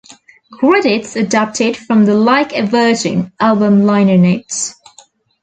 Credits adapted from the "Like a Virgin" album liner notes.